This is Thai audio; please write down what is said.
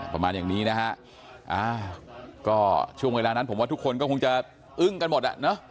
ประมาณอย่างนี้นะฮะอ่าก็ช่วงเวลานั้นผมว่าทุกคนก็คงจะอึ้งกันหมดอ่ะเนอะ